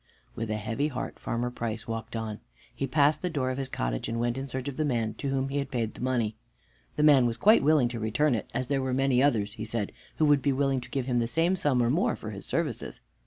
With a heavy heart Farmer Price walked on. He passed the door of his cottage and went in search of the man to whom he had paid the money. The man was quite willing to return it, as there were many others, he said, who would be willing to give him the same sum or more for his services.